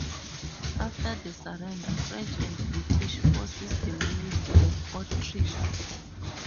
After the surrender, French and British forces demolished the fortress.